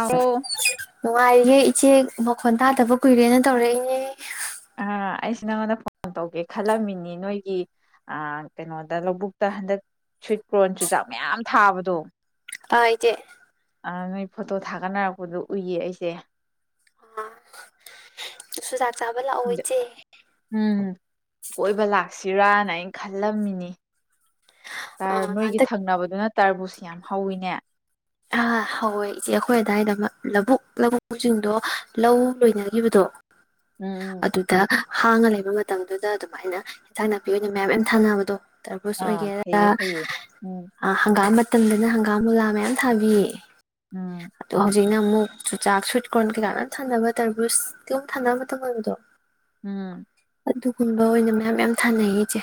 [unintelligible] ꯅꯨꯡꯉꯥꯏꯔꯤꯌꯦ ꯏꯆꯦ ꯃꯈꯣꯟ ꯇꯥꯗꯕ ꯀꯨꯏꯔꯦꯅ ꯇꯧꯔꯛꯏꯅꯦ ꯑ ꯑꯩꯁꯤ ꯅꯪꯉꯣꯟꯗ ꯐꯣꯟ ꯇꯧꯒꯦ ꯈꯜꯂꯝꯃꯤꯅꯤ ꯅꯣꯏꯒꯤ ꯑꯥ ꯀꯩꯅꯣꯗ ꯂꯧꯕꯨꯛꯇ ꯍꯟꯗꯛ ꯁ꯭ꯨꯤꯠꯀ꯭ꯔꯣꯟ ꯆꯨꯖꯥꯛ ꯃꯌꯥꯝ ꯊꯥꯕꯗꯣ ꯑꯥ ꯏꯆꯦ ꯑ ꯅꯣꯏ ꯐꯣꯇꯣ ꯊꯥꯒꯠꯅꯔꯛꯄꯗꯣ ꯎꯏꯌꯦ ꯑꯩꯁꯦ [unintelligible] ꯏꯆꯦ ꯎꯝ ꯀꯣꯏꯕ ꯂꯥꯛꯁꯤ ꯔꯥꯅ ꯑꯩꯅ ꯈꯜꯂꯝꯃꯤꯅꯤ ꯑꯥ [unintelligible] ꯅꯣꯏꯒꯤ ꯍꯟꯗꯛ ꯊꯪꯅꯕꯗꯨ ꯅ ꯇꯔꯕꯨꯁ ꯌꯥꯝ ꯍꯧꯋꯤꯅꯦ ꯑꯥ ꯍꯧꯋꯦ ꯏꯆꯦ ꯑꯩꯈꯣꯏ ꯑꯗꯥꯋꯥꯏꯗ ꯂꯧꯕꯨꯛ ꯂꯧꯕꯁꯤꯡꯗꯣ ꯂꯧ ꯂꯣꯏꯅꯈꯤꯕꯗꯣ ꯎꯝ ꯎꯝ ꯑꯗꯨꯗ ꯍꯥꯡꯉ ꯂꯩꯕ ꯃꯇꯝꯗꯨꯗ ꯑꯗꯨꯃꯥꯏꯅ ꯏꯟꯁꯥꯡ ꯅꯥꯄꯤ ꯑꯣꯏꯅ ꯃꯌꯥꯝ ꯃꯌꯥꯝ ꯊꯥꯅꯕꯗꯣ ꯇꯔꯕꯨꯁ ꯑꯥ ꯑꯣꯏꯒꯦꯔꯥ ꯐꯩꯌꯦ ꯐꯩꯌꯦ ꯎꯝ ꯍꯪꯒꯥꯝ ꯇꯝꯗꯅ ꯍꯪꯒꯥꯝ ꯃꯨꯂꯥ ꯃꯌꯥꯝ ꯊꯕꯤ ꯎꯝ [unintelligible] ꯍꯧꯖꯤꯛꯅ ꯑꯃꯨꯛ ꯆꯨꯆꯥꯛ ꯁꯨꯏꯠ ꯀꯣꯔꯅ ꯀꯩꯀꯥ ꯂꯣꯏꯅ ꯊꯥꯅꯕ ꯇꯔꯕꯨꯁ ꯀꯩꯅꯣꯝ ꯊꯥꯟꯅꯕ ꯃꯇꯝꯗꯣ ꯎꯝ ꯑꯗꯨꯒꯨꯝꯕ ꯑꯣꯏꯅ ꯃꯌꯥꯝ ꯌꯥꯝ ꯊꯥꯅꯩꯌꯦ ꯏꯆꯦ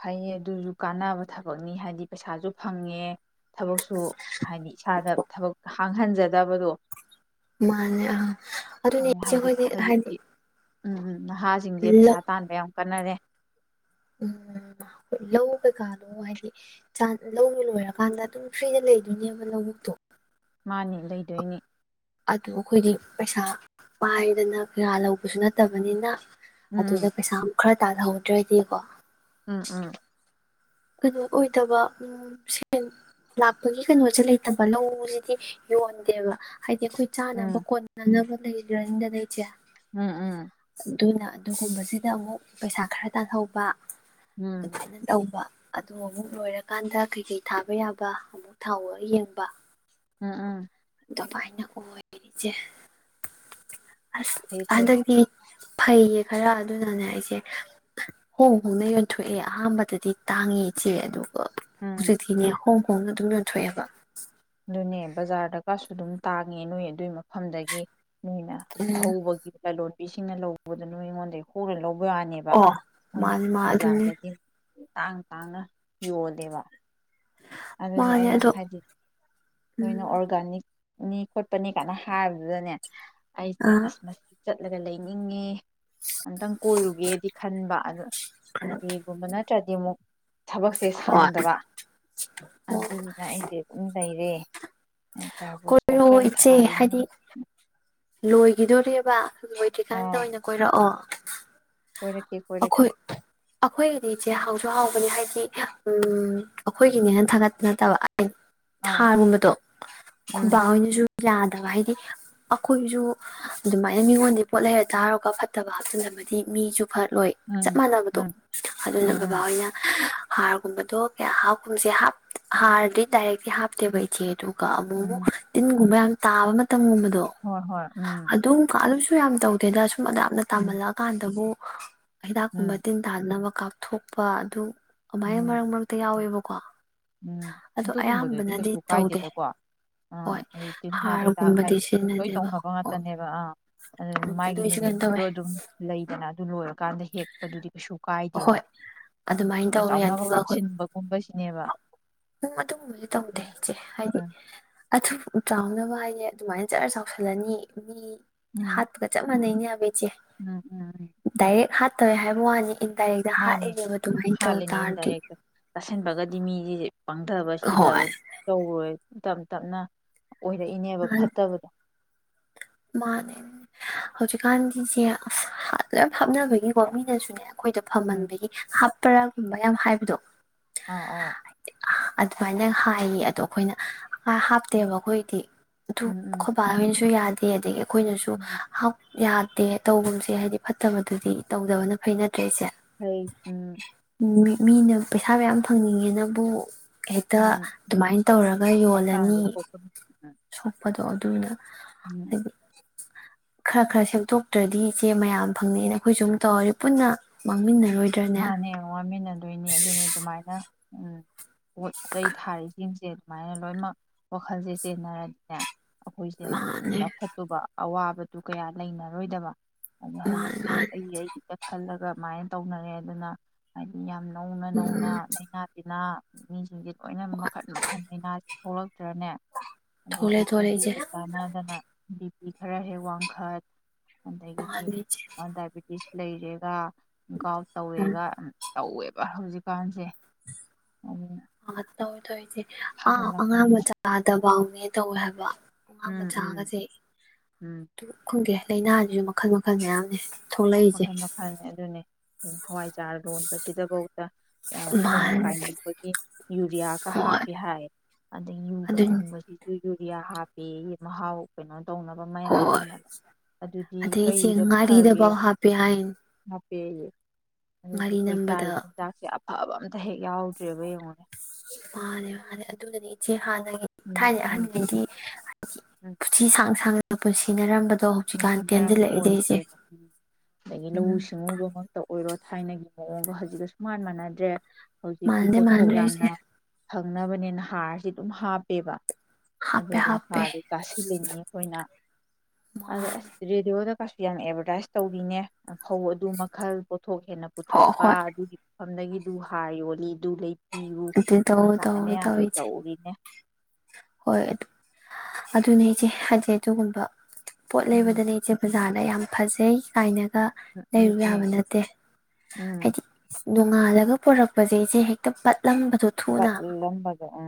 ꯐꯩꯌꯦ ꯑꯗꯨꯁꯨ ꯀꯥꯟꯅꯕ ꯊꯕꯛꯅꯤ ꯍꯥꯏꯗꯤ ꯄꯩꯁꯥꯁꯨ ꯐꯪꯉꯦ ꯊꯕꯛꯁꯨ ꯍꯥꯏꯗꯤ ꯏꯁꯥꯗ ꯊꯕꯛ ꯈꯥꯡꯍꯟꯖꯗꯕꯗꯣ ꯃꯥꯅꯦ ꯑꯥ ꯑꯗꯨꯅꯦ ꯏꯆꯦ ꯍꯥꯏꯗꯤ ꯑꯩꯈꯣꯏꯗꯤ ꯍꯥꯏꯗꯤ ꯍꯧꯖꯤꯛꯇꯤ ꯎꯝ ꯎꯝ ꯅꯍꯥꯁꯤꯡꯁꯦ ꯄꯩꯁꯥ [unintelligible] ꯇꯥꯟꯕ ꯌꯥꯝ ꯀꯟꯅꯔꯦ ꯎꯝ ꯍꯣꯏ ꯂꯧ ꯀꯩꯀꯥꯅꯣ ꯍꯥꯏꯗꯤ ꯂꯧꯅ ꯂꯣꯏꯔꯀꯥꯟꯗ ꯑꯗꯨꯝ ꯐ꯭ꯔꯤꯅ ꯂꯩꯗꯣꯏꯅꯦꯕ ꯂꯧꯕꯨꯛꯇꯣ ꯃꯥꯅꯤ ꯂꯩꯗꯣꯏꯅꯤ ꯑꯗꯨꯣ ꯑꯩꯈꯣꯏꯗꯤ ꯄꯩꯁꯥ ꯄꯥꯏꯗꯅ ꯀꯌꯥ ꯂꯧꯕꯁꯨ ꯅꯠꯇꯕꯅꯤꯅ ꯑꯗꯨꯗ ꯎꯝ ꯄꯩꯁꯥ ꯈꯔ ꯇꯥꯜꯍꯧꯗ꯭ꯔꯗꯤꯀꯣ ꯎꯝ ꯎꯝ ꯀꯩꯅꯣ ꯑꯣꯏꯗꯕ ꯎꯝ ꯁꯦꯟ ꯂꯥꯛꯄꯒꯤ ꯀꯩꯅꯣꯁꯦ ꯂꯩꯇꯕ ꯂꯧꯁꯤꯗꯤ ꯌꯣꯟꯗꯦꯕ ꯍꯥꯏꯗꯤ ꯑꯩꯈꯣꯏ ꯆꯥꯅꯕ ꯎꯝ ꯀꯣꯟꯅꯥꯅꯕ [unintelligible] ꯏꯆꯦ ꯎꯝ ꯎꯝ ꯑꯗꯨꯅ ꯑꯗꯨꯒꯨꯝꯕꯁꯤꯗ ꯑꯃꯨꯛ ꯄꯩꯁꯥ ꯈꯔ ꯇꯥꯟꯍꯧꯕ ꯎꯝ ꯎꯝ ꯑꯗꯨꯃꯥꯏꯅ ꯇꯧꯕ ꯑꯗꯨ ꯑꯃꯨꯛ ꯂꯣꯏꯔꯀꯥꯟꯗ ꯀꯩꯀꯩ ꯊꯥꯕ ꯌꯥꯕ ꯑꯃꯨꯛ ꯊꯥ [unintelligible] ꯌꯦꯡꯕ ꯎꯝ ꯎꯝ ꯑꯗꯨꯃꯥꯏꯅ ꯑꯣꯏꯔꯤ ꯏꯆꯦ ꯑꯁ ꯐꯩ ꯐꯩ ꯍꯟꯗꯛꯇꯤ ꯐꯩꯌꯦ ꯈꯔ ꯑꯗꯨꯅꯅꯦ ꯑꯩꯁꯦ ꯍꯣꯡ ꯍꯣꯡꯅ ꯌꯣꯟꯊꯣꯛꯑꯦ ꯑꯍꯥꯟꯕꯗꯗꯤ ꯇꯥꯡꯉꯦ ꯏꯆꯦ ꯑꯗꯣ ꯎꯝ ꯍꯧꯖꯤꯛꯇꯤꯅꯦ ꯍꯣꯡ ꯍꯣꯡꯅ ꯑꯗꯨꯝ ꯌꯣꯟꯊꯣꯛꯑꯦꯕ ꯑꯗꯨꯅꯦ ꯕꯖꯥꯔꯗ ꯀꯁꯨ ꯑꯗꯨꯝ ꯇꯥꯡꯉꯦ ꯅꯣꯏ ꯑꯗꯨꯏ ꯃꯐꯝꯗꯒꯤ ꯃꯤꯅ ꯎꯝ ꯍꯧꯕꯒꯤ ꯂꯥꯂꯣꯟ ꯅꯨꯄꯤꯁꯤꯡꯅ ꯂꯧꯕꯗꯨꯅ ꯅꯣꯏꯉꯣꯟꯗꯩ [unintelligible] ꯂꯧꯕ ꯋꯥꯅꯦꯕ ꯑꯣ ꯃꯣꯏꯅ ꯃꯥꯅꯦ ꯃꯥ ꯑꯗꯨꯅꯦ ꯕꯖꯥꯔꯗꯒꯤ ꯇꯥꯡ ꯇꯥꯡꯅ ꯌꯣꯜꯂꯦꯕ ꯑꯗꯨꯅꯤ ꯃꯥꯅꯦ ꯑꯩꯅ ꯑꯗꯣ ꯍꯥꯏꯗꯤ ꯅꯣꯏꯅ ꯎꯝ ꯑꯣꯔꯒꯥꯅꯤꯛ ꯅꯤ ꯈꯣꯠꯄꯅꯤ ꯀꯥꯏꯅ ꯍꯥꯏꯕꯗꯨꯗꯅꯦ ꯑ ꯑꯩꯥꯁꯦ ꯑꯁ [unintelligible] ꯆꯠꯂꯒ ꯂꯩꯅꯤꯡꯉꯦ ꯑꯝꯇꯪ ꯀꯣꯏꯔꯨꯒꯦꯗꯤ ꯈꯟꯕ ꯑꯗ ꯁꯟꯗꯦꯒꯨꯝꯕꯅ ꯆꯗꯤꯃꯨ ꯊꯕꯛꯁꯦ ꯍꯣꯏ ꯁꯪꯗꯕ ꯑꯣ ꯑꯗꯨ ꯑꯩꯁꯦ ꯂꯩꯩꯔꯦ ꯀꯣꯏꯔꯣ ꯏꯆꯦ ꯍꯥꯏꯗꯤ ꯂꯣꯏ ꯒꯤꯗꯣꯔꯦꯕ ꯑꯣꯏꯗ꯭ꯔꯤꯀꯥꯟꯇ ꯑꯥ ꯑꯣꯏꯅ ꯀꯣꯏꯔꯛꯑꯣ ꯀꯣꯏꯔꯛꯀꯦ ꯀꯣꯏꯔꯛꯀꯦ ꯑꯩꯈꯣꯏ ꯑꯩꯈꯣꯏꯒꯤꯗꯤ ꯏꯆꯦ ꯍ ꯁꯨ ꯍꯥꯎꯕꯅꯤ ꯍꯥꯏꯗꯤ ꯎ ꯑꯩꯈꯣꯏꯒꯤꯅꯦꯅ ꯊꯥꯒꯠꯄ ꯅꯠꯇꯕ ꯑꯥ ꯊꯥꯅꯕꯗꯣ ꯎꯝ ꯈꯨꯟꯄꯍꯣꯌꯅꯤꯁꯨ ꯌꯥꯗꯕ ꯍꯥꯏꯗꯤ ꯑꯩꯈꯣꯏꯁꯨ ꯑꯗꯨꯃꯥꯏꯅ ꯃꯤꯉꯣꯟꯗ ꯄꯣꯠ ꯂꯩꯔ ꯇꯥꯔꯒ ꯐꯠꯇꯕ ꯍꯥꯞꯆꯤꯟꯕ ꯃꯤꯁꯨ ꯐꯠꯂꯣꯏ ꯆꯞ ꯎꯝ ꯃꯥꯟꯅꯕꯗꯣ ꯎꯝ ꯎꯝ ꯑꯗꯨꯅ ꯎꯝ ꯕꯕꯥꯍꯣꯏꯅ ꯍꯥꯔꯒꯨꯝꯕꯗꯣ ꯀ ꯍꯥꯞꯀꯨꯝꯕꯁꯦ ꯍꯥꯔꯗꯤ ꯗꯥꯏꯔꯦꯛꯇꯤ ꯍꯥꯞꯇꯦꯕ ꯏꯆꯦꯗꯣ ꯀ ꯑꯃꯨ ꯃꯨꯛ ꯎꯝ ꯇꯤꯟꯒꯨꯝꯕ ꯌꯥꯝ ꯇꯥꯕ ꯃꯇꯝꯒꯨꯝꯕꯗ ꯗꯣ ꯍꯣꯏ ꯍꯣꯏ ꯎꯝ ꯑꯗꯨꯀꯟ ꯌꯥꯝ ꯇꯧꯗꯦꯗ ꯌꯥꯝꯅ ꯎꯝ ꯇꯝꯜꯂꯀꯥꯟꯗꯕꯨ ꯍꯤꯗꯥꯛ ꯀꯨꯝꯕ ꯎꯝ ꯇꯤꯟ ꯇꯥꯗꯅꯕ ꯀꯥꯞꯊꯣꯛꯄ ꯑꯗꯨ ꯑꯗꯨꯃꯥꯏ ꯎꯝ ꯃꯔꯀ ꯃꯛꯇ ꯌꯥꯎꯋꯦꯕ ꯀꯣ ꯎꯝ ꯑꯗꯨꯒꯨꯝꯕꯗꯨꯗꯤ ꯀꯩꯁꯨ ꯇꯧꯗꯦ ꯀꯥꯏꯗꯦꯗꯀꯣ ꯑꯥ ꯍꯣꯏ ꯑꯗꯨ ꯇꯤꯜꯍꯥ ꯍꯤꯗꯥꯛ ꯍꯥꯔꯒꯨꯝꯕꯗꯤ ꯍꯥꯏꯕꯗꯤ ꯑꯗꯨꯝ ꯂꯣꯏ ꯁꯤꯖꯤꯟꯅꯗꯦꯕ ꯇꯧꯅꯕ ꯍꯣꯏ ꯉꯥꯛꯇꯅꯦꯕ ꯑꯥ ꯑꯗꯨ ꯎꯝ ꯃꯥꯒꯤ ꯑꯗꯨꯏꯁꯨ ꯀꯩꯅꯣ ꯅꯨꯃꯤꯠꯇꯣ ꯇꯧꯋꯦ ꯑꯗꯨꯝ ꯂꯩꯗꯅ ꯑꯗꯨ ꯂꯣꯏꯔ ꯀꯥꯟꯗ ꯍꯦꯛꯄꯗꯨꯗꯤ ꯀꯩꯁꯨ ꯀꯥꯏꯗꯦꯕ ꯍꯣꯏ ꯑꯗꯨꯃꯥꯏꯅ ꯊꯨꯅ ꯇꯧꯋꯦ ꯆꯥꯎꯅꯕ ꯑꯗꯨꯒ ꯑꯩꯈꯣꯏ ꯀꯥꯞꯁꯤꯟꯕꯒꯨꯝꯕ ꯅꯦꯕꯥ ꯎꯝ ꯑꯗꯨꯒꯨꯝꯕꯗꯤ ꯇꯧꯗꯦ ꯏꯆꯦ ꯍꯥꯏꯗꯤ ꯎꯝ ꯑꯊꯨ ꯆꯥꯎꯅꯕ [unintelligible] ꯑꯗꯨꯃꯥꯏꯅ ꯖꯔ ꯆꯥꯎꯁꯜꯂꯅꯤ ꯃꯤ ꯎꯝ ꯍꯠ ꯀ ꯆꯕꯅꯤ ꯎꯝ ꯎꯝ ꯎꯝ ꯗꯏꯔ ꯍꯥ [unintelligible] ꯏꯟꯇꯥꯏ ꯃꯥꯅꯦ ꯗꯤꯃꯤꯒꯤ ꯄꯥꯡꯊꯕ ꯁꯤꯊꯕ ꯇꯧꯔꯣꯏ ꯇꯞ ꯇꯞꯅ ꯑꯣꯏꯔꯛꯏꯅꯦꯕ ꯐꯠꯇꯕꯗꯣ ꯃꯥꯅꯦ ꯍꯧꯖꯤꯛꯀꯥꯟꯒꯤꯁꯦ ꯂꯣꯏ ꯍꯥꯞꯅꯕꯒꯤꯀꯣ ꯃꯤꯅꯁꯨꯅꯦꯕ ꯑꯩꯈꯣꯏꯗ ꯎꯝ ꯐꯝꯍꯟꯕꯒꯤꯞ ꯄꯔꯥꯒꯨꯝꯕ ꯌꯥꯝ ꯍꯥꯏꯕꯗꯣ ꯑꯥ ꯑ ꯑꯗꯨꯃꯥꯏꯅ ꯍꯥꯏꯌꯦ ꯑꯗꯣ ꯑꯩꯈꯣꯏꯅ ꯍꯥꯞꯇꯦꯕ ꯑꯩꯈꯣꯏꯗꯤ ꯑꯗꯨꯨ ꯎꯝ ꯎꯝ ꯈꯁꯨ ꯌꯥꯗ ꯇꯦ ꯑꯩꯈꯣꯏꯅꯁꯨ ꯎꯝ ꯌꯥꯗꯦ ꯇꯧꯒꯨꯝꯁꯦ ꯍꯥꯏꯗꯤ ꯐꯠꯇꯕꯗꯨꯗꯤ ꯇꯧꯗꯕꯅ ꯐꯩꯅꯗ꯭ꯔꯦ ꯏꯁꯦ ꯍꯩ ꯎꯝ ꯃꯤꯅ ꯄꯩꯁꯥ ꯃꯌꯥꯝ ꯐꯪꯅꯤꯡꯉꯦꯅꯕꯨ ꯍꯦꯛꯇ ꯎꯝ ꯑꯗꯨꯃꯥꯏꯅ ꯇꯧꯔꯒ ꯌꯣꯜꯂꯅꯤ ꯍꯛꯆꯥꯡꯗꯤ ꯁꯣꯛꯄꯅꯤ ꯎꯝ ꯁꯣꯛꯄꯗ ꯑꯣꯏ ꯇꯨ ꯎꯝ ꯎ ꯈꯔ ꯈꯔ ꯁꯦꯠꯇꯣꯛꯇ꯭ꯔꯗꯤ ꯏꯆꯦ ꯃꯌꯥꯝ ꯐꯪꯅꯩꯑꯅ ꯑꯩꯈꯣꯏꯁꯨ ꯑꯗꯨꯝ ꯇꯧꯔꯁꯤ ꯄꯨꯟꯅ ꯃꯥꯡꯃꯤꯟꯅꯔꯤ ꯃꯥꯅꯦ ꯍꯌꯦ ꯋꯥꯃꯤꯟꯅꯗꯣꯏꯅꯤ ꯑꯗꯨꯅꯤ ꯑꯗꯨꯃꯥꯏꯅ ꯎꯝ ꯄꯣꯠ ꯆꯩ ꯊꯥꯔꯤꯁꯤꯡꯁꯦ ꯁꯨꯃꯥꯏꯅ ꯂꯣꯏꯅꯃꯛ ꯋꯥꯈꯜꯁꯦ ꯆꯦꯟꯅꯔꯗꯤꯅꯦ ꯑꯩꯈꯣꯏꯁꯦ ꯃꯥꯅꯦ ꯆꯥꯎꯈꯠꯇꯨꯕ ꯑꯋꯥꯕꯗꯨ ꯀꯌꯥ ꯂꯩꯅꯔꯣꯏꯗꯕ ꯑꯗꯣ ꯃꯥꯅꯦ ꯍꯧꯖꯤꯛꯇꯤ ꯃꯥꯅꯦ ꯑꯩꯒꯤ ꯑꯩꯒꯤꯗ ꯈꯜꯂꯒ ꯑꯗꯨꯃꯥꯏꯅꯥ ꯇꯧꯅꯔꯦ ꯑꯗꯨꯅ ꯍꯥꯏꯗꯤ ꯌꯥꯝꯅ ꯅꯧꯅ ꯅꯧꯅ ꯎꯝ ꯂꯥꯏꯅꯥ ꯇꯤꯟꯅꯥ--꯫ ꯃꯤꯁꯤꯡꯁꯦ ꯂꯣꯏꯅ ꯃꯈꯟ ꯃꯈꯟ ꯂꯅꯥ ꯂꯣ ꯇ꯭ꯔꯅꯦ ꯊꯣꯛꯂꯦ ꯑꯗꯩꯗꯤ ꯊꯣꯛꯂꯦ ꯏꯆꯦ ꯆꯍꯤꯒ ꯆꯥꯟꯅꯗꯅ ꯈꯔ ꯍꯦꯛ ꯋꯥꯡꯈꯠ ꯑꯗꯩꯒꯤꯗꯤ ꯃꯥꯅꯦ ꯏꯆꯦ ꯗꯥꯄꯤꯇꯤꯁ ꯂꯩꯔꯦꯒ ꯎꯝ ꯇꯧꯋꯦꯒ ꯇꯧꯋꯦꯕ ꯍꯧꯖꯤꯛꯀꯥꯟꯁꯦ ꯑꯠꯇꯣꯟ ꯏꯆꯦ ꯑꯥ ꯑꯉꯥꯡꯕ ꯁꯥꯒꯠꯂꯛꯄꯅꯤꯅ ꯆꯥꯗꯕꯥꯎ ꯑꯦ ꯇꯧꯋꯦ ꯍꯥꯏꯕ ꯑꯉꯥꯡꯕ ꯎꯝ ꯎꯝ ꯆꯥꯒꯁꯦ ꯎꯝ ꯑꯗꯨ ꯈꯪꯗꯦ ꯂꯥꯏꯅꯥꯁꯤꯁꯨ ꯃꯈꯜ ꯃꯈꯜ ꯐꯅꯥꯝꯅꯦ ꯃꯈꯜ ꯃꯈꯜꯅꯦ ꯑꯗꯨꯅꯦ ꯍꯋꯥꯏꯖꯥꯔ ꯂꯣꯟꯕꯁꯤꯗꯐꯧꯗ ꯊꯨꯅ ꯃꯥꯅꯦ ꯀꯥꯏꯅꯕꯒꯤ ꯏꯟꯗꯤꯌꯥ ꯀ ꯍꯥꯥꯞ ꯍꯣꯏ ꯄꯦꯍꯥꯏ ꯑꯗꯩ ꯌꯨꯕ ꯑꯗꯨꯅꯤ ꯁꯨꯡꯕꯁꯤꯁꯨ ꯌꯨꯔꯤꯌꯥ ꯍꯥꯞꯄꯤ ꯃꯍꯥꯎ ꯀꯩꯅꯣ ꯇꯧꯅꯕ ꯃꯌꯥ ꯍꯣꯏ ꯀꯟꯅ ꯑꯗꯨꯗꯤ ꯀꯩꯗ ꯐꯒꯦ ꯄꯦꯏꯟ ꯄꯦꯌꯦ ꯑꯗꯨꯗꯤ ꯑꯩꯈꯣꯏ ꯆꯥꯔꯤꯕ ꯆꯥꯛꯁꯦ ꯑꯐꯕ ꯑꯃꯝ ꯃꯥꯅꯦ ꯃꯥꯅꯦ ꯑꯗꯨꯗꯅꯤ ꯏꯆꯦ ꯍꯥꯟꯅꯒꯤ ꯎꯝ ꯊꯥꯏꯅ ꯎꯝ ꯑꯍꯟꯒꯩꯗꯤ ꯎ [inaudible] ꯑꯊꯤ ꯁꯥꯡ ꯁꯥꯡꯅ ꯄꯨꯟꯁꯤꯅꯔꯝꯕ ꯅꯨꯡꯁꯤꯡꯅꯔꯕ ꯑꯣꯏꯗꯦꯕ ꯑꯗꯩꯗꯤ ꯂꯧꯎ ꯎꯝ ꯁꯤꯡꯎꯕꯃꯛꯇ ꯑꯣꯏꯔꯣ ꯊꯥꯏꯅꯒꯤ ꯃꯑꯣꯡꯒ ꯍꯧꯖꯤꯛꯀ ꯁꯨꯃꯥꯟ ꯃꯥꯟꯅꯗ꯭ꯔꯦ ꯍꯧꯖꯤꯛꯇꯤ ꯃꯥꯟꯗꯦ ꯄꯣꯠꯊꯣꯛ ꯃꯥꯟꯗ꯭ꯔꯦ ꯏꯆꯦ ꯌꯥꯝꯅ ꯐꯪꯅꯕꯅꯦꯅ ꯍꯥꯔꯁꯤ ꯑꯗꯨꯝ ꯍꯥꯞꯄꯦꯕ ꯑꯗꯨ ꯍꯥꯞꯄꯦ ꯑꯗꯨꯝ ꯍꯥꯞꯄꯦ ꯍꯥꯁꯦ ꯆꯥꯁꯤꯜꯂꯤꯅꯤ ꯈꯣꯏꯅ ꯑꯗꯩ ꯑꯁꯔꯦꯗꯤꯑꯣ ꯗꯀꯥꯁꯨ ꯌꯥꯝ ꯑꯦꯚꯔꯗꯥꯥꯏꯁ ꯇꯧꯕꯤꯅꯦ ꯐꯧ ꯑꯗꯨ ꯃꯈꯜ ꯄꯣꯊꯣꯛ ꯍꯦꯟꯅ ꯍꯣꯏ ꯄꯨꯊꯣꯛꯄ ꯍꯣꯏ ꯑꯗꯨꯒꯤ ꯃꯐꯝꯗꯒꯤꯗꯨ ꯍꯥꯏ ꯌꯣꯜꯂꯤ ꯑꯗꯨ ꯂꯩ ꯄꯤꯌꯨ ꯑꯗꯨ ꯇꯧ ꯀꯃꯥꯏꯅ ꯇꯧꯋꯦ ꯌꯥꯝ ꯇꯧꯋꯦ ꯏꯆꯦ ꯇꯧꯔꯤꯅꯦ ꯍꯣꯏ ꯑꯗꯨ ꯑꯗꯨꯅꯦ ꯏꯆꯦ ꯍꯥꯏꯗꯤ ꯑꯗꯨꯒꯨꯝꯕ ꯄꯣꯠ ꯎꯝ ꯂꯩꯕꯗꯅꯦ ꯏꯆꯦ ꯐꯖꯅꯤ ꯌꯥꯝ ꯐꯖꯩ ꯀꯥꯏꯅ ꯗ ꯎꯝ ꯎꯝ ꯂꯩꯔꯨ ꯌꯥꯕ ꯎꯝ ꯅꯠꯇꯦ ꯎꯝ ꯍꯥꯏꯗꯤ ꯅꯣꯡꯉꯥꯜꯂꯒ ꯄꯨꯔꯛꯄꯁꯦ ꯏꯆꯦ ꯍꯦꯛꯇ ꯄꯠꯂꯝꯕ ꯂ ꯄꯒ ꯑ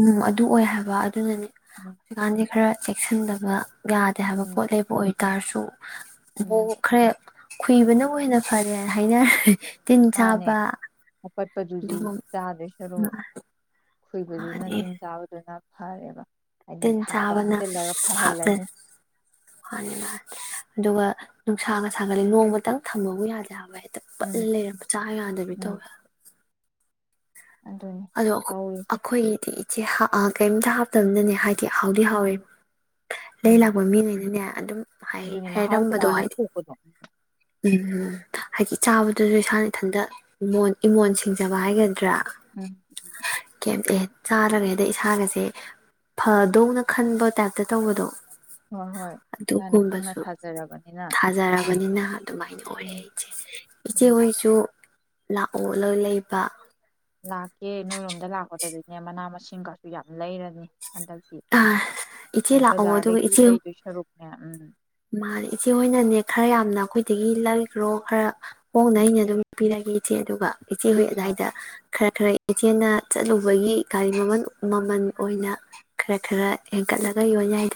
ꯎꯝ ꯑꯗꯨ ꯑꯣꯏ ꯍꯥꯏꯕ ꯑꯗꯨꯅꯅꯦ ꯎꯝ ꯍꯧꯖꯤꯛꯀꯥꯟꯗꯤ ꯈꯔ ꯆꯦꯛꯁꯤꯟꯗꯕ ꯌꯥꯗꯦ ꯍꯥꯏꯕ ꯎꯝ ꯄꯣꯠ ꯂꯩꯕ ꯎꯝ ꯑꯣꯏꯇꯥꯔꯁꯨ ꯎꯝ ꯃꯈꯔꯦ ꯈꯨꯨꯏꯕꯅꯕꯨ ꯍꯦꯟꯅ ꯐꯔꯦꯅ ꯍꯥꯏꯅꯔꯦ ꯇꯤꯟ ꯆꯥꯕ ꯀꯣꯠꯄꯗꯨꯗꯤ ꯑꯗꯨꯒꯨꯝꯕ ꯆꯥꯗꯣꯏ ꯁꯔꯨꯛ ꯈꯨꯣꯏꯕꯗꯨꯅ ꯃꯥꯅꯤ ꯇꯤꯟ ꯆꯥꯕꯗꯨꯅ ꯐꯔꯦꯕ ꯍꯥꯏꯗꯤ ꯇꯤꯟ ꯍꯥꯔꯗꯣ ꯆꯥꯕꯅ ꯍꯥꯞꯆꯤꯜꯂꯒ ꯐꯍꯜꯂꯅꯤ ꯍꯥꯞꯆꯩꯅꯤ ꯃꯥ ꯑꯗꯨꯒ ꯅꯨꯡꯁꯥꯒ ꯁꯥꯒꯗꯤ ꯅꯣꯡꯃꯇꯪ ꯊꯝꯕꯕꯨ ꯌꯥꯗꯦ ꯌꯥꯕ ꯍꯥꯏ ꯄꯠꯂ ꯎꯝ ꯂꯩꯔ ꯆꯥ ꯌꯥꯗꯕꯤ ꯎꯝ ꯇꯧꯋꯦ ꯑꯗꯨꯅꯤ ꯑꯗꯣ ꯇꯧꯔꯤꯁꯦ ꯑꯩꯈꯣꯏꯒꯤꯗꯤ ꯁꯤ ꯀꯩꯝꯇ ꯍꯥꯞꯇꯕꯅꯅꯦ ꯍꯥꯏꯦ ꯀꯦ ꯍꯥꯎꯗꯤ ꯍꯥꯎꯋꯦ ꯎꯝ ꯂꯩ ꯎꯝ ꯂꯥꯛꯄ ꯃꯤꯅꯦꯅꯅꯦ ꯑꯗꯨꯝ ꯍꯥꯏ ꯑꯗꯨꯅꯤ ꯃꯍꯥꯎ ꯍꯥꯏꯔꯝꯕꯗꯣ ꯇꯣꯉꯥꯟꯅ ꯍꯥꯏꯗꯤ ꯊꯣꯛꯄꯗꯣ ꯎꯝ ꯍꯥꯏꯗꯤ ꯆꯥꯕꯗꯁꯨ ꯏꯁꯥꯅ ꯏꯊꯟꯇꯣꯟ ꯏꯃꯣꯟ ꯁꯤꯡꯖꯕ ꯍꯥꯏꯒꯅꯤ ꯆꯗꯔꯥ ꯎꯝ ꯀꯩꯝꯇ ꯆꯥꯔꯒꯦ ꯍꯗ ꯏꯁꯥꯒꯁꯦ ꯐꯗꯧꯅ ꯈꯟꯕ ꯇꯥꯏꯞꯇ ꯇꯧꯕꯗꯣ ꯍꯣꯏ ꯍꯣꯏ ꯏꯁꯥꯅ ꯈꯪꯅ ꯑꯗꯨꯒꯨꯝꯕꯁꯨ ꯊꯥꯖꯔꯕꯅꯤꯅ ꯊꯥꯖꯔꯕꯅꯤꯅ ꯑꯗꯨꯃꯥꯏꯅ ꯑꯣꯏꯔꯦ ꯎꯝ ꯑꯩꯆꯦ ꯎꯝ ꯏꯆꯦꯍꯣꯏꯁꯨ ꯂꯥꯛꯑꯣ ꯂꯣꯏ ꯂꯩꯕ ꯂꯥꯛꯀꯦ ꯅꯣꯏꯔꯣꯝꯗ ꯂꯥꯛꯄꯗꯗꯒꯤꯅꯦ ꯃꯅꯥ ꯃꯁꯤꯡꯒꯁꯨ ꯌꯥꯝ ꯂꯩꯔꯅꯤ ꯍꯟꯗꯛꯇꯤ ꯑ ꯏꯆꯦ ꯂꯥꯛꯑꯣ ꯑꯗꯨꯒ ꯕꯖꯥꯔꯗꯒꯤ ꯏꯆꯦ ꯂꯩꯗꯣꯏ ꯁꯔꯨꯛꯅꯦ ꯎꯝ ꯃꯥꯅꯦ ꯏꯆꯦ ꯍꯣꯏꯅꯅꯦ ꯈꯔ ꯌꯥꯝꯅ ꯑꯩꯈꯣꯏ ꯑꯗꯒꯤ ꯂꯩꯥꯏꯈ꯭ꯔꯣ ꯈꯔ--꯫ ꯍꯣꯡꯅ ꯑꯩꯅ ꯑꯗꯨꯝ ꯄꯤꯔꯒꯦ ꯏꯆꯦ ꯑꯗꯨꯒ ꯏꯆꯦꯍꯣꯏ ꯍꯣꯏ ꯑꯗꯥꯏꯗ ꯈꯔ ꯈꯔ ꯏꯆꯦꯅ ꯆꯠꯂꯨꯕꯒꯤ ꯒꯥꯔꯤ ꯃꯃꯜ ꯃꯃꯜ ꯑꯣꯏꯅ ꯈꯔ ꯈꯔ ꯍꯦꯟꯒꯠꯂꯒ ꯌꯣꯟ ꯌꯥꯏ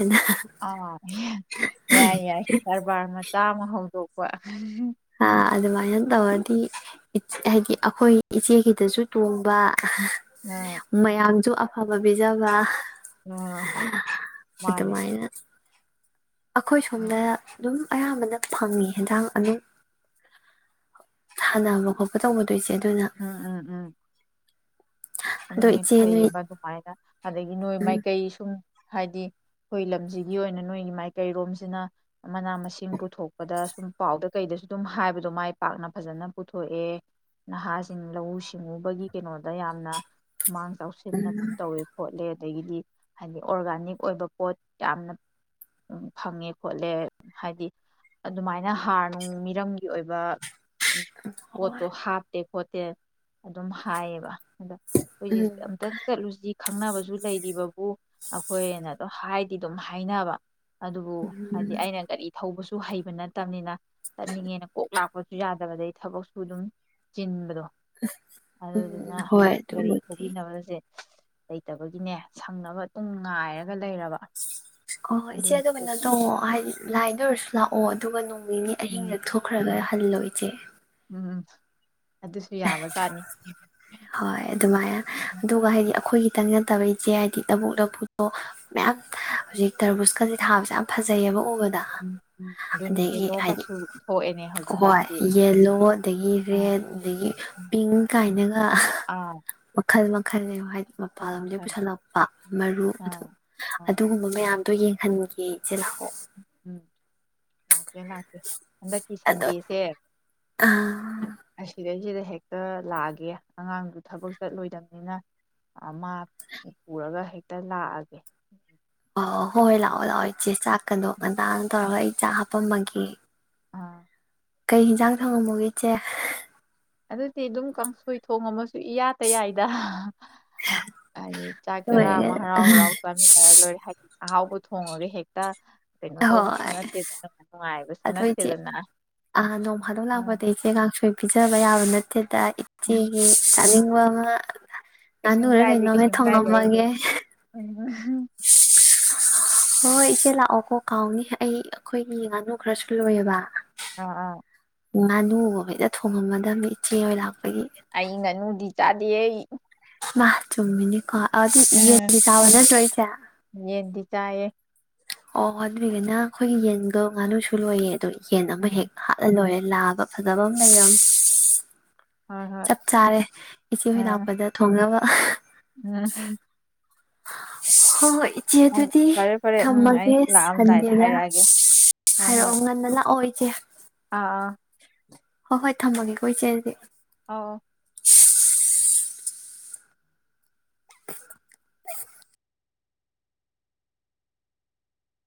ꯑꯥ ꯌꯥꯏ ꯌꯥꯏ ꯀꯔꯕꯥꯔ ꯃꯆꯥ ꯑꯃ ꯍꯧꯗꯣꯛ [unintelligible] ꯑꯥ ꯑꯗꯨꯃꯥꯏꯅ ꯇꯧꯔꯗꯤ ꯍꯥꯏꯗꯤ ꯑꯩꯈꯣꯏ ꯏꯆꯦꯒꯤꯗꯁꯨ ꯇꯣꯡꯕ ꯑ ꯃꯌꯥꯝꯁꯨ ꯑꯐꯕꯥ ꯄꯤꯖꯕ ꯑ ꯃꯥꯅꯦ ꯑꯗꯨꯃꯥꯏꯅ ꯑꯩꯈꯣꯏ ꯁꯣꯝꯗ ꯎꯝ ꯑꯗꯨꯝ ꯑꯌꯥꯝꯕꯅ ꯐꯪꯏ ꯍꯦꯟꯖꯥꯡ ꯑꯗꯨꯝ ꯊꯥꯟꯅꯕ ꯈꯣꯠꯄ ꯇꯧꯕ ꯑꯗꯨꯏꯁꯦ ꯑꯗꯨꯅ ꯑꯗꯣ ꯑꯗꯨꯅꯤ ꯏꯆꯦ ꯅꯣꯏ ꯐꯩꯌꯦꯕ ꯑꯗꯨꯃꯥꯏꯅ ꯑꯗꯒꯤ ꯅꯣꯏ ꯎꯝ ꯃꯥꯏꯀꯩ ꯁꯨꯝ ꯍꯥꯏꯗꯤ ꯑꯩꯈꯣꯏ ꯂꯝꯁꯤꯒꯤ ꯑꯣꯏꯅ ꯅꯣꯏꯒꯤ ꯃꯥꯏꯀꯩꯔꯣꯝꯁꯤꯅ ꯃꯅꯥ ꯃꯁꯤꯡ ꯄꯨꯊꯣꯛꯄꯗ ꯁꯨꯝ ꯄꯥꯎꯗ ꯀꯩꯗꯁꯨ ꯑꯗꯨꯝ ꯍꯥꯏꯕꯗꯣ ꯃꯥꯏ ꯄꯥꯛꯅ ꯐꯖꯅ ꯄꯨꯊꯣꯛꯑꯦ ꯅꯍꯥꯁꯤꯡ ꯂꯧꯎ ꯁꯤꯡꯎꯕꯒꯤ ꯀꯩꯅꯣꯗ ꯌꯥꯝꯅ ꯈꯨꯃꯥꯡ ꯆꯥꯎꯁꯤꯟꯅ ꯇꯧꯋꯦ ꯈꯣꯠꯂꯦ ꯑꯗꯒꯤꯗꯤ ꯍꯥꯏꯗꯤ ꯑꯣꯔꯒꯥꯅꯤꯛ ꯑꯣꯏꯕ ꯄꯣꯠ ꯌꯥꯝꯅ ꯐꯪꯉꯦ ꯈꯣꯠꯂꯦ ꯍꯥꯏꯗꯤ ꯑꯗꯨꯃꯥꯏꯅ ꯍꯥꯔ ꯅꯨꯡ ꯃꯤꯔꯝꯒꯤ ꯑꯣꯏꯕ ꯍꯣꯏ ꯄꯣꯠꯇꯣ ꯍꯥꯞꯇꯦ ꯈꯣꯠꯇꯦ ꯑꯗꯨꯝ ꯍꯥꯏꯌꯦꯕ ꯑꯗꯣ ꯍꯧꯖꯤꯛ ꯎꯝ ꯑꯝꯇꯪ ꯆꯠꯂꯨꯁꯤ ꯈꯪꯅꯕꯁꯨ ꯂꯩꯔꯤꯕꯕꯨ ꯑꯩꯈꯣꯏꯅ ꯑꯗꯨꯝ ꯍꯥꯏꯗꯤ ꯑꯗꯨꯝ ꯍꯥꯏꯅꯕ ꯑꯗꯨꯕꯨ ꯍꯥꯏꯗꯤ ꯑꯩꯅ ꯒꯥꯔꯤ ꯊꯧꯕꯁꯨ ꯁꯨ ꯍꯩꯕ ꯅꯠꯇꯕꯅꯤꯅ ꯆꯠꯅꯤꯡꯉꯦꯅ ꯀꯣꯛ ꯂꯥꯛꯄ [unintelligible] ꯁꯨ ꯌꯥꯗꯕ ꯑꯗꯩ ꯊꯕꯛꯁꯨ ꯑꯗꯨꯝ ꯆꯤꯟꯕꯗꯣ ꯑꯗꯨꯗꯨꯅ ꯎꯝ ꯍꯣꯏ ꯒꯥꯔꯤ ꯑꯗꯨꯕꯨꯗꯤ ꯊꯧꯕꯤꯅꯕꯁꯦ ꯂꯩꯇꯕꯒꯤꯅꯦ ꯁꯪꯅꯕ ꯑꯗꯨꯝ ꯉꯥꯏꯔ ꯑꯣ ꯏꯆꯦꯗ ꯀꯩꯅꯣ ꯇꯧꯌꯣ ꯂꯥꯏꯟꯗ ꯑꯣꯏꯔꯁꯨ ꯂꯥꯛꯑꯣ ꯑꯣ ꯑꯗꯨꯒ ꯅꯣꯡ ꯅꯤꯅꯤ ꯑꯍꯤꯡꯗ ꯎꯝ ꯊꯣꯛꯈ꯭ꯔꯒ ꯍꯜꯂꯣ ꯎ [inaudible] ꯎꯝ ꯑꯗꯨꯁꯨ ꯌꯥꯕ ꯖꯥꯠꯅꯤ ꯍꯣꯏ ꯑꯗꯨꯃꯥꯏꯅ ꯑꯗꯨꯒ ꯍꯥꯏꯗꯤ ꯑꯩꯈꯣꯏꯒꯤ ꯈꯤꯇꯪ ꯅꯠꯇꯕ ꯏꯆꯦ ꯍꯥꯏꯗꯤ ꯂꯕꯨꯛ ꯂꯐꯨꯛꯇꯣ ꯃꯌꯥꯝ ꯍꯧꯖꯤꯛ ꯇꯔꯕꯨꯁꯀꯁꯦ ꯊꯥꯕꯁꯦ ꯌꯥꯝ ꯐꯖꯩꯑꯦꯕ ꯎꯕꯗ ꯎꯝ ꯎꯝ ꯑꯗꯨꯅꯤ ꯑꯗꯒꯤ ꯍꯥꯏꯗꯤ ꯌꯦꯂꯣꯒꯁꯨ ꯊꯣꯛꯑꯦꯅꯦ ꯍꯣꯏ ꯍꯧꯖꯤꯛꯀꯥꯟꯗꯤ ꯌꯦꯂꯣ ꯑꯗꯒꯤ ꯑꯥ ꯔꯦꯗ ꯑꯗꯒꯤ ꯄꯤꯡ ꯀꯥꯏꯅꯒ ꯑꯥ ꯈꯥꯏ ꯂ ꯈꯟꯉ ꯍꯥꯏꯗꯤ ꯃꯄꯥꯟ ꯃꯈꯜ ꯂꯝꯗꯩ ꯃꯈꯜ ꯄꯨꯁꯜꯂꯛꯄ ꯃꯔꯨ ꯑꯥ ꯑꯗꯨ ꯑꯥ ꯑꯗꯨꯒꯨꯝꯕ ꯃꯌꯥꯝꯗꯣ ꯌꯦꯡꯉ ꯈꯟꯒꯦ [inaudible] ꯎꯝ ꯂꯥꯛꯀꯦ ꯍꯟꯗꯛꯀꯤ ꯁꯟꯗꯦꯁꯦ ꯑꯥ ꯁꯤꯗꯩꯁꯤꯗ ꯍꯦꯛꯇ ꯂꯥꯛꯑꯒꯦ ꯑꯉꯥꯡꯁꯨ ꯊꯕꯛ ꯆꯠꯂꯣꯏꯗꯕꯅꯤꯅ ꯃꯥ ꯄꯨꯔꯒ ꯍꯦꯛꯇ ꯂꯥꯛꯑꯒꯦ ꯑ ꯍꯣꯏ ꯍꯣꯏ ꯂꯥꯛꯑꯣ ꯂꯥꯛꯑꯣ ꯏꯆꯦ ꯆꯥꯛꯀꯗꯣ ꯉꯟꯗꯥ ꯇꯧꯔꯒ ꯑꯩ ꯆꯥ ꯍꯥꯞꯄꯝꯃꯒꯦ ꯑꯥ ꯀꯩ ꯌꯦꯟꯖꯥꯡ ꯊꯥꯡꯉꯝꯃꯨꯒꯤ ꯏꯆꯦ ꯑꯗꯨꯗꯤ ꯑꯗꯨꯝ ꯀꯥꯡꯁꯣꯏ ꯊꯣꯡ ꯑꯃꯁꯨ ꯏꯌꯥꯗ ꯌꯥꯏꯗ ꯍꯥꯏꯗꯤ ꯆꯥꯛ ꯆꯔꯥ ꯑꯃ ꯂꯣꯏꯔꯒ ꯍꯔꯥꯎ ꯍꯔꯥꯎ ꯆꯥꯃꯤꯟꯅꯔ ꯂꯣꯏꯔꯦ ꯍꯥꯏꯗꯤ ꯑꯍꯥꯎꯕ ꯍꯣꯡꯉꯒꯥ ꯍꯦꯛꯇ ꯀꯩꯅꯣ ꯇꯧꯕꯁꯨ ꯅꯠꯇꯦꯅꯨꯡꯥꯏ ꯅꯨꯡꯉꯥꯏ ꯑꯗꯨ ꯏꯆꯦ ꯑ ꯅꯣꯡ ꯍꯥꯥꯗꯣꯛ ꯎꯝ ꯂꯥꯛꯄꯗ ꯏꯆꯦ ꯀꯥꯡꯁꯣꯏ ꯄꯤꯖꯕ ꯌꯥꯕ ꯅꯠꯇꯦ [inaudible] ꯏꯆꯦꯒꯤ ꯆꯥꯅꯤꯡ ꯋꯥ ꯀꯩꯁꯨꯝ ꯀꯥꯏꯗꯦ ꯀꯩꯁꯨꯝ ꯀꯥꯏꯗꯦ ꯑꯩꯗꯤ ꯍꯣꯏ ꯏꯆꯦ ꯂꯥꯛꯑꯣꯀꯣ ꯀꯥꯎꯅꯤ ꯑꯩ ꯑꯩꯈꯣꯏꯒꯤ ꯉꯥꯅꯨ ꯈꯔꯁꯨ ꯂꯣꯏꯑꯦꯕ ꯑ ꯑꯥ ꯉꯥꯅꯨꯒꯨꯝꯕ ꯍꯛꯇ ꯊꯣꯡꯉꯝꯃꯗꯕꯅꯤ ꯏꯆꯦ ꯍꯣꯏꯂꯥꯛ ꯑꯩ ꯉꯅꯨꯗꯤ ꯆꯥꯗꯤꯌꯦ ꯃꯥ ꯆꯨꯝꯃꯤꯅꯤ ꯀꯣ ꯑꯗꯣ ꯑꯥ ꯌꯦꯟꯗꯤ ꯆꯥꯕꯥ ꯅꯠꯇꯔꯣ ꯏꯆꯦ ꯌꯦꯟꯗꯤ ꯆꯥꯏꯌꯦ ꯑꯣ ꯑꯗꯨꯏꯒꯅ ꯑꯩꯈꯣꯏꯒꯤ ꯌꯦꯟꯗꯣ ꯉꯥꯅꯨꯁꯨ ꯂꯣꯏꯌꯦ ꯑꯗꯣ ꯍꯦꯟ ꯑꯃ ꯍꯦꯛ ꯎꯝ ꯍꯥꯠꯂ ꯂꯣꯏꯔꯦ ꯂꯕ ꯐꯖꯕ ꯑꯃ ꯂꯩꯔꯝꯃꯤ ꯍꯣꯏ ꯍꯣꯏ ꯆꯞ ꯆꯥꯔꯦ ꯏꯆꯦ ꯍꯣꯏ ꯎꯝ ꯂꯥꯛꯄꯗ ꯊꯣꯡꯅꯕ [unintelligible] [unintelligible] [unintelligible] ꯍꯣ ꯍꯣꯏ ꯏꯆꯦ ꯎꯝ ꯑꯗꯨꯗꯤ ꯐꯔꯦ ꯐꯔꯦ ꯎꯝ ꯑꯩ ꯊꯝꯃꯒꯦ ꯂꯥꯛꯑꯝꯗꯥꯏꯗ ꯁꯟꯗꯦꯗ ꯍꯥꯏꯔꯛꯑꯒꯦ ꯍꯣꯏ ꯍꯣꯏ ꯍꯥꯏꯔꯛꯑꯣ ꯉꯟꯅ ꯂꯥꯛꯑꯣ [unintelligible] ꯑꯥ ꯑꯥ ꯍꯣꯏ ꯍꯣꯏ ꯊꯝꯃꯒꯦꯀꯣ ꯏꯆꯦ ꯑꯗꯨꯗꯤ ꯑꯧ ꯑꯧ